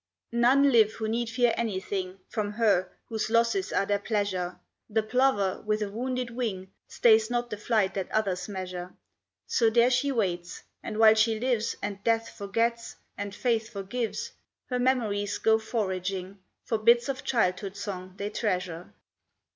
None live who need fear anything From her, whose losses are their pleasure; The plover with a wounded wing Stays not the flight that others measure; So there she waits, and while she lives, And death forgets, and faith forgives, Her memories go foraging For bits of childhood song they treasure.